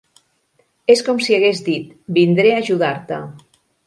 És com si hagués dit, "Vindré a ajudar-te".